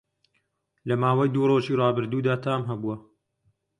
لە ماوەی دوو ڕۆژی ڕابردوودا تام هەبووه